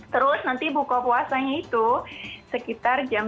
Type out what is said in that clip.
terus nanti buka puasanya itu sekitar jam dua belas